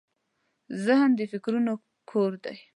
ذهن د فکرونو کور دی.